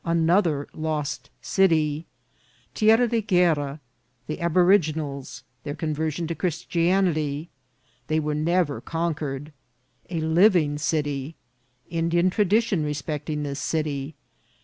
— Another lost City. — Tierra de Guerra. — The Abori ginals.—Their Conversion to Christianity. — They were never conquered.— A living City. — Indian Tradition respecting this City.